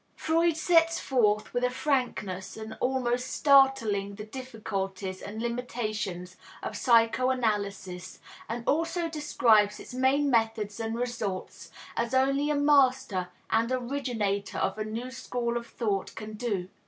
Freud sets forth with a frankness almost startling the difficulties and limitations of psychoanalysis, and also describes its main methods and results as only a master and originator of a new school of thought can do.